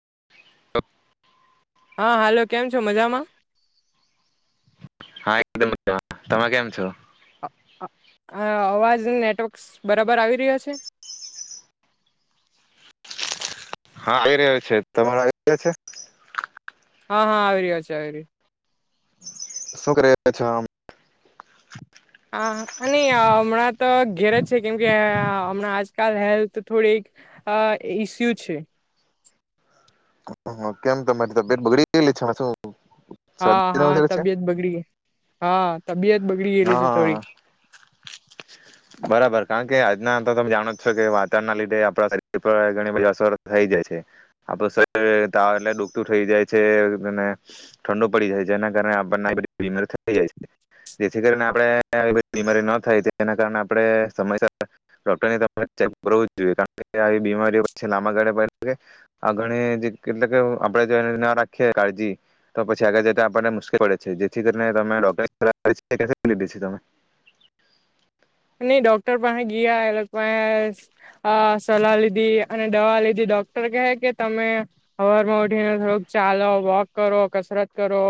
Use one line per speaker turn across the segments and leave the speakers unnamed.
[unintelligible]
હા, હાલો કેમ છો મજામાં?
હા એકદમ [unintelligible] તમે કેમ છો?
અ અ હા અવાજ નેટવર્કસ બરાબર આવી રહ્યા છે?
હા આવી રહ્યો છે, તમારે આવી રહ્યો છે?
હા આવી રહ્યો છે, આવી રહ્યો.
શું કરે છો?
આ કાઈ નહી હમણાં તો ઘેરેજ છે કેમ કે અહ હમણાં આજકાલ હેલ્થ થોડીક અહ ઈસ્યુ છે.
[unintelligible] કેમ તમારી તબિયત બગડી [unintelligible]
હા,
શરદી
હા તબિયત બગડી, હા. તબિયત બગડી ગયેલી
હા,
છે થોડી
હા બરાબર. કારણ કે આજના તો તમે જાણો જ છો કે વાતાવરણ ના લીધે આપણા શરીર પર ઘણી બધી અસર થઈ જાય છે. આપડું શરીર તાવ એટલે દુખતું થઈ જાય છે, અને ઠંડુ પડી જાય છે. જેના કારણે આપણને આવી બધી બિમારીઓ થઈ જાય છે. જેથી કરીને આપણે આવી બધી બીમારી ન થાય તેના કારણે આપણે સમયસર ડોક્ટરની [unintelligible] કરવું જ જોઈએ કારણ કે આવી બીમારીઓ પછી લાંબા ગાળે [inaudible] આગળ એટલે આપણેે જો એ ના રાખીએ કાળજી તો પછી આગળ જતા આપણને મુશ્કેલ પડે છે, જેથી કરીને તમે ડોક્ટરની સલા [inaudible] દે છે તમે
નહી ડોક્ટર પાહે ગયા એ લોકોએ પાહે અહ સલાહ લીધી અને દવા લીધી. ડોક્ટર કહે કે તમે હવારમાં ઉઠીને થોડુંક ચાલો, વોક કરો, કસરત કરો,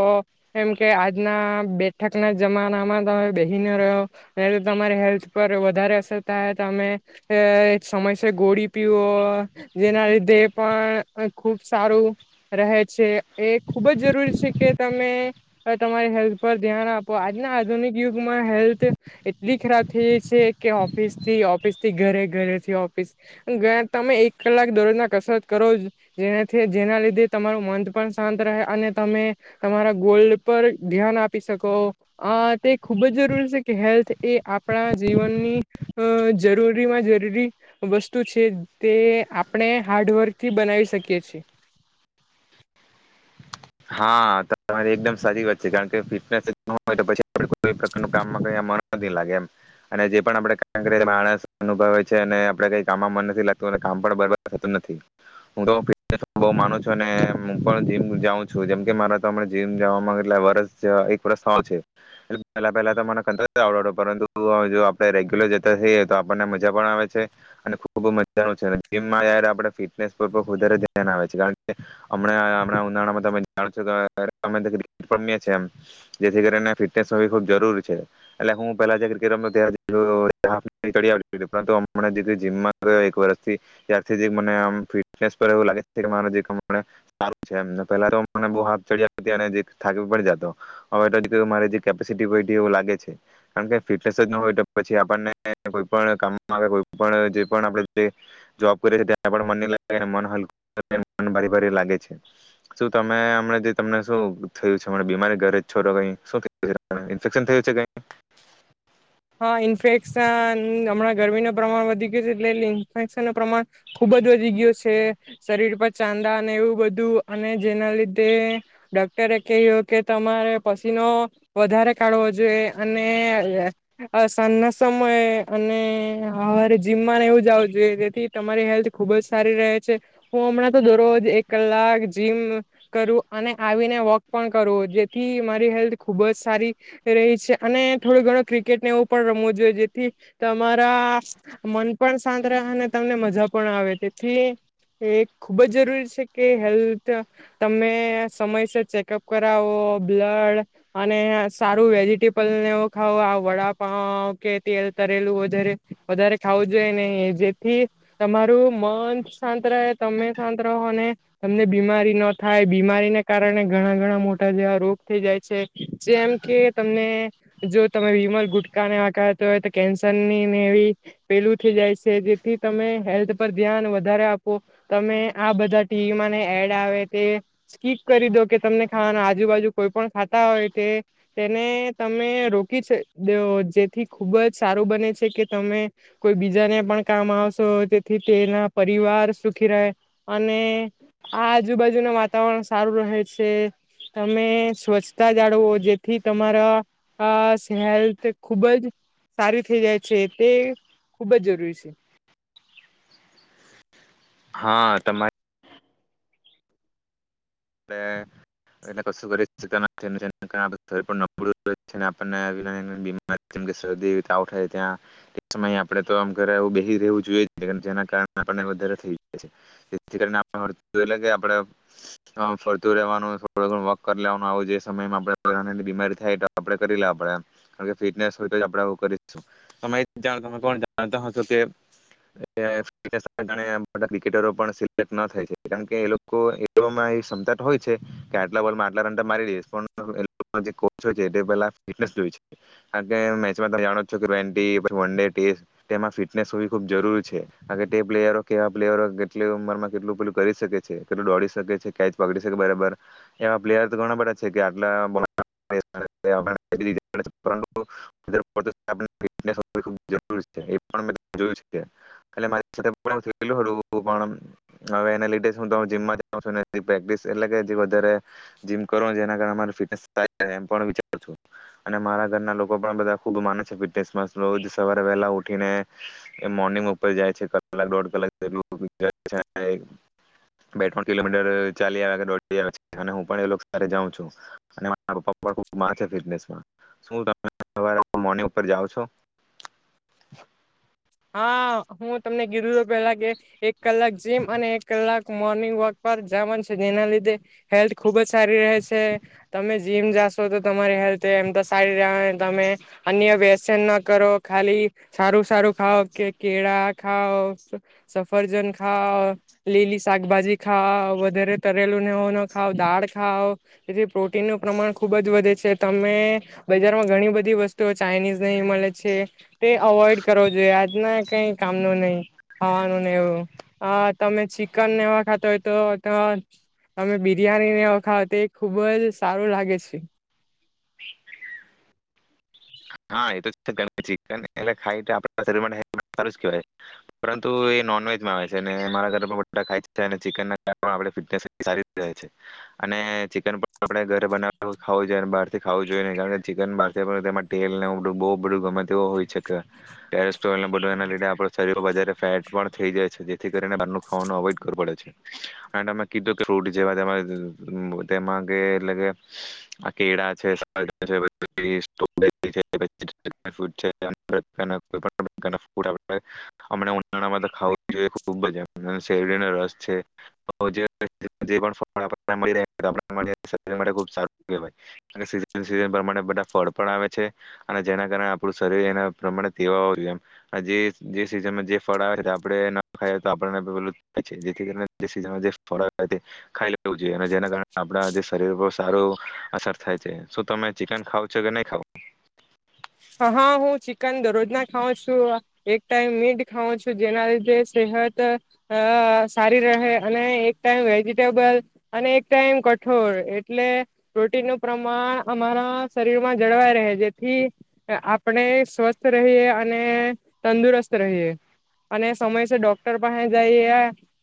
એમ કે આજના બેઠકના જમાનામાં તમે બેહી ના રહ્યો એ તમારી હેલ્થ પર વધારે અસર થાય હે. તમે સમયસર ગોળી પીવો, જેના લીધે પણ ખ ખુબ સારું રહે છે, એ ખુબ જ જરૂરી છે કે તમે તમારી હેલ્થ પર ધ્યાન આપો. આજના આધુનિક યુગમાં હેલ્થ એટલી ખરાબ જે છે કે ઓફિસ થી ઓફિસ થી ઘરે ઘરેથી ઓફિસ ઘરે તમે એક કલાક દરરોજ ના કસરત કરો જેનાથી જેના લીધે તમારું મન પણ શાંત રહે અને તમે તમારા ગોલ્ પર ધ્યાન આપી શકો આ તે ખુબ જ જરૂરી છે કે હેલ્થ એ આપ આપણા જીવનની અ જરૂરીમાં જરૂરી વસ્તુ છે તે આપણે હાર્ડવર્ક થી બનાવી શકીએ છીએ.
હા તમારી એકદમ સાચી વાત છે કારણ કે ફિટનેસ જ ન હોય તો પછી કોઈ કામમાં મન નથી લાગે એમ અને જે પણ આપણે [inaudible] અનુભવે છે અને કઈ કામમાં મન નથી લાગતું કામ પણબર થતું નથી હું તો [inaudible] બઉ માનું છું અને હું પણ જીમ જાઉં છું જેમ કે મારા તમે જિમ જવા માં એટલે વરસ સે એક વરસ થવાન છે પહેલા પહેલા તો મને [unintelligible] આવડડો પરંતુ જો આપણે રેગ્યુલર જતાઈએ તો આપણને મજા પણ આવે છે અને ખૂબ મજાનું છે જીમમાંય આપ ફિટનેસ પર વધારે ધ્યાન આવે છે કારણ અમણાણા ઉનાળામાં તમે રમમ જેથી કરીને ફટનેસ ખુબ જરૂરી છે એટલે હું પેલાટ ર એક વર્થી ત મને એવ લાગે મા જેાર પેલા તો એમ મને બ હાથ ચ અને થાકવી પડી જતો હવે મા જેટી કેપેસિટી વાયદી એ ઉ લાગે છે કારણ ફટનેસ જ હોય તો પછી આપને કોઈ કામ આવે કોબું ભારી ભારી લાગે. ગે છે. મે અમને જે તમને શું થયું છે બીમારી ઘરે છો ક શ થયું ફશન થયું છે કય
હા ઇન્ફેક્શન હમણાં ગરમી ન પ્રમાણ વધી ગય છે એટલે ઇન્ફેક્શન ન પ્રમાણ ખુબ જ વધી ગું છે શરીર પર ચાંદા અને એવું બધું અને જેના લીધે ડોક્ટરે કહ્યું કે તમારે પસીનો વધારે કાઢવો જોઈએ અને અ સાંજ ના સમય અને હાર જીમમાં એવું જાવ જોઈએ જેથી તમારી હેલ્થ ખુબ જ સારી રહે છે હું હમણાં તો દરરોજ એક કલાક જીમ કરું અને આવીને વોક પણ કરું જેથી મારી હેલ્થ ખુબ જ સારી રહી છે અને થોડો ઘણો ક્રી કેટ એવું પણ રમવું જોઈએ જેથી તમારા મન પણ શાંત રહે અને તમને મજા પણ આવે તેથી એ ખુબ જ જરૂરી છે કે હેલ્થ તમે સમયસર ચેકઅપ કરાવો બ્લડ અને સારું વેજીિટેબલનેવ ખાવો. વડાપાવ કે તેલ તરેલું વધારે વધારે ખાવું જોઈએ નને જેથી તમારું મન શાંત રહે તમે શાંત રહો ને તમને બીમારી ન થાય બીમારીને કારણે ઘણા ઘણા મોટા જેવા રોગ થઈ જાય છે જેમ કે તમને જો તમરી ગુટકાને વા હોય કેન્સર ની ને એવી પેલું થઈ જાય છે. તેથી તમે હેલ્થ પર ધ્યાન વધારે આપો તમે આ બધા ટીવીમાંને એડ આવે તે સ્કીપ કરી દો કે તમને ખાવાના આજુબાજુ કોઈ પણ ખાતા હોય તે તેને તમે રોકી સ દે ઓ જેથી ખુબ જ સારું બને છે કે તમે કોઈ બીજાને પણ કામ આવશો તેથી તેના પરિવાર સુખી રહે અને આ આજુબાજુ ન વાતાવરણ સારું રહે છે. તમે સ્વચ્છતા જાળવો જેથી તમારા હેલ્થ ખૂબ જ સારી થઈ જાય છે તે ખૂબ જ જરૂરી છે.
હા તમા તમારે એટલે કશું કરી શકતા નથી અને જેના કારણે આપણું શરીર પણ નબળું રહે છે અને આપણને આવી નાની બીમારી જેમ કે શરદી એવી તાવ થાય ત્યાં તે સમયે આપણે તો આમ ઘરે એવું બેસી રહેવું જોઈએ જ નહીં જેના કારણે આપણને વધારે થઈ જાય છે જેથી હા ફરતું રેવાનું વાક કરી લેવાનું બીમારી થાય તો એપલે કરી લેવાનું કારણ ફિટનેસ ક્રિકેટરો પણ કેમ કે એલોકો પણ હો છે આટલા બોલમાં આટલા રન તો મારી દઈસ પણ [unintelligible] વન ડે ટેસ તેમાં ફિટનેસ હોવી ખુબ જરૂરી છે. કારણ કે તે પ્લેયરો કેવા પ્લેયરો કેટલી ઉમરમાં કેટલું પેલું કરી શકે છે કેટલું દોડી એવા પ્લેયર ઘણા બધા છે. કે [unintelligible] હવે એના લીધે સુ અને તે પ્રેક્ટિક્સ એટલે કે જે વધારે જીમ કરો જેના કારણે અને મારા ઘરના લોકો પણ સવારે વહેલા ઊઠીને મોર્નિંગ વોક પર જાય છે કલાક દોઢ કલાક જેવું જાય. કિલોમીટર ચાલીયા કે જોડીયા ચીઠાને હું પણ એ લોકો સાથે જાઉં છું, [unintelligible] શું તમે સવારે મોર્નિંગ ઉપર જાવ છો?
હા હું તમને ગીરું ર પેલા કે એક કલાક જીમ અને એક કલાક મોર્નિંગ વોક પર જાવાન છે, જેના લીધે હેલ્થ ખુબ જ સારી રહે છે, તમે જીમ જાશો, તો તમારી હેલ્થ એમ તો સારી [unintelligible] તમે અન્ય વ્યસન ન કરો ખાલી સારું સારું ખાઓ કે કેળા ખાઓ સ સફરજન ખાઓ, લીલી શાકભાજી ખાઓ, વધારે તરેલું ને એવુ ન ખાવ, દાળ ખાવ, જેથી પ્રોટીનનું પ્રમાણ ખુબ જ વધે છે, તમે બજારમાં ઘણી બધી વસ્તુઓ ચાઇનીઝ ને એ મળે છે, તે અવોઈડ કરો જો આજના કંઈ કામનો નઈ, ખાવાનું નઈ એવું, આ તમે ચિકન ને એવા ખાતા હોય તો ત અમે બિરિયાની ને એવા ખાવ તે ખુબ જ સારું લાગે છે.
[unintelligible] ચીકન એટલે ખાય તો આપણા શરીર [unintelligible] સારું જ કેવાય, પરંતુ એ નોનવેજમાં આવે છે અને મારા ઘરે પણ બઢા ખાય [unintelligible] છે. અને ચિકન [unintelligible] પણ [unintelligible] આપડે ઘરે બનાવવા હોવુ જોઈએ ને બહારથી ખાવું જોઈએ કારણ ચીકન બાર તેલ ને એવું ટો બો બઢુ ગમે તેવુ હોય છે કે ટેરે તો એના બઢાને લીધે આપણાં શરીરમાં વધારે ફેટ પણ થેઈ જાય છે, જેથી કરીને આટલું ખાવાનું અવોઈડ કરવું પડે છે અને તમે કીધું કે ફૂટ જેવા તેમાં કે એટલે કે આ કેળા છે, સફરજન છે, [unintelligible] [unintelligible] અમણા ઉનાળામા તો ખાવું જ જોઈએ ખુબ જ એમ શેરડીનો રસ છે [unintelligible] બઉ સારુ કેવાય સીઝન છે એ પ્રમાણે બધા ફળ પણ આવે છે અને જેના કારણે આપડું શરીર એના પ્રમાણે તેવાવુ જોઈએ એમ, આજે જે સીઝનમાં જે ફળ આવે ને તે આપડે તે ન ખાએ તો આપણને [unintelligible] થાય છે, જેથી કરીને સીઝનમાં જે ફળ આવે તે ખાઈ લેવું જોઈએ અને જેના કારણે આપણા જે શરીર પર સારું અસર થાય છે. શું તમે ચિકન ખાવ છો કે નઈ?
હા હા હું ચિકન દરરોજ ના ખાઉં છું, એક ટાઈમ મીટ ખાઉં છું, જેના લીધે સેહત અ સારી રહે અને એક ટાઈમ વેજીિટેબલ અને એક ટાઈમ કઠોળ એટલે પ્રોટીનનું પ્રમાણ અમારા શરીરમાં જળવાય રહે જેથી આપણે સ્વસ્થ રહીએ અને તંદુરસ્ત રહીએ અને સમયસર ડોક્ટર પાહેં જઈએ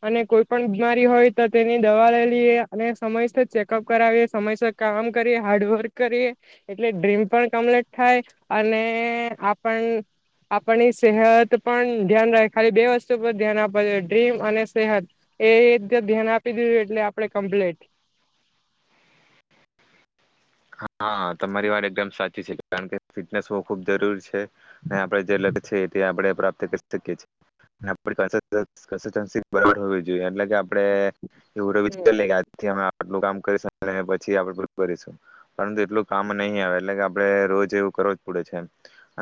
અને કોઈ પણ બીમારી હોય તો તેની દવા લઈ લઈએ અને સમયસર ચેકઅપ કરાવીએ, સમયસર કામ કરીએ, હાર્ડવર્ક કરીએ એટલે ડ્રીમ પણ કમ્પ્લીટ થાય. અને આપણ આપણની સેહત પણ ધ્યાન રાય, ખાલી બે વસ્તુ પર ધ્યાન આપવા જોઈએ, ડ્રીમ અને સેહત એ ધ ધ્યાન આપી દીધું એટલે આપણે કમ્પ્લીટ.
હા તમારી વાત એકદમ સાચી છે, કારણ કે ફિટનેસ હોવું ખુબ જરૂરી છે અને આપડે જે લત છે તે આપણે પ્રાપ્ત કરી શકીએ છે અને આપડી પાસે [unintelligible] ચાન્સીસ બરાબર હોવી જોઈએ આપડે એવું તો વિચાર લઈએ કે આજથી અમે આટલું કામ કરીશુ અને પછી આપડે પેલું ભરીશું. પણ તેટલું કામ નહી આવે એટલે કે આપડે રોજ એવું કરવુ જ પડે છે એમ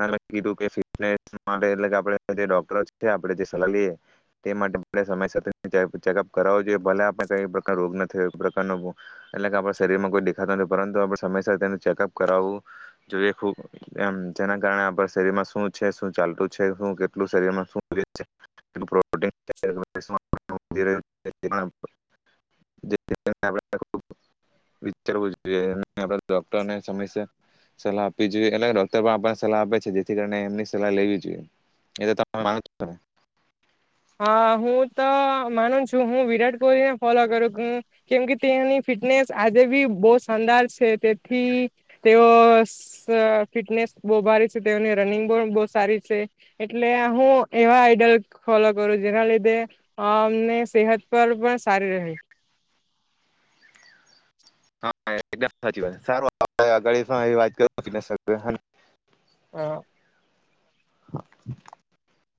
અને કીધુ કે [unintelligible] એટલે આપણે જે ડોક્ટર આવે છે તે આપણે સલાહ લીએ તે માટે સમય સાથે ચેકઅપ કરાવુ જોઈએ ભલે આપડે કઈ પ્રકાર રોગ નથી, ઈ પ્રકારનો [unintelligible] એટલે કે આપડા શરીરમાં કોઈ દેખાતા [unintelligible] પરંતુ આપણે સમયસર તેનું ચેકઅપ કરાવવું જોઈએ ખુબ એમ જેના કારણે આપણા શરીરમાં શું છે શું ચાલતું છે શું કેટલું શરીરમાં [unintelligible] જોઈએ આપણે ડોક્ટરને સમયસર સલાહ આપવી જોઈએ અને ડોક્ટર પણ આપણને સલાહ આપે છે જેથી કરી એમની સલાહ લેવી જોઈએ એ તો [unintelligible]
હા. હું તો માનું જ. હું વિરાટ કોહલીને ફોલો કરું, કેમ કે તેની ફિટનેસ આજે બી બહ શાનદાર છે. તેથી તેઓ ફિટનેસ બહુ ભારી છે. તેઓની રનિંગ પણ બહ સારી છે. એટલે હું એવા આઈડલ ફોલો કરું જેના લીધે અમને સેહત પર પણ સારી રહે.
સાચી વાત સારું [unintelligible] વાત
અ
[inaudible]